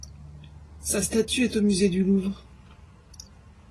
Sa statue est au musée du Louvre.